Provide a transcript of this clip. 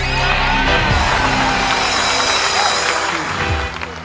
ใช้ค่ะ